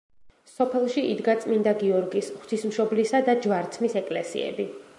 სოფელში იდგა წმინდა გიორგის, ღვთისმშობლისა და ჯვარცმის ეკლესიები.